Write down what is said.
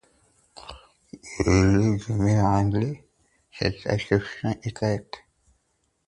Il en est de même en anglais, cette acception est correcte.